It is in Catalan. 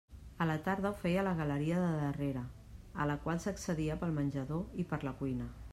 A la tarda ho feia a la galeria de darrere a la qual s'accedia pel menjador i per la cuina.